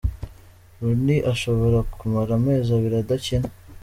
Runi ashobora kumara amezi Abiri Adakina